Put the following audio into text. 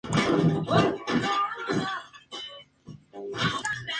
Antiguamente los lápices eran afilados por medio de cuchillos o navajas.